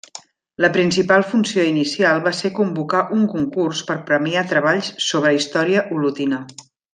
La principal funció inicial va ser convocar un concurs per premiar treballs sobre història olotina.